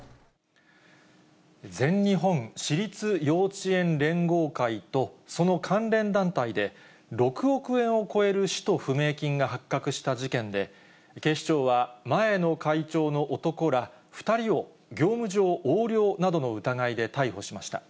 全日本私立幼稚園連合会と、その関連団体で、６億円を超える使途不明金が発覚した事件で、警視庁は前の会長の男ら２人を、業務上横領などの疑いで逮捕しました。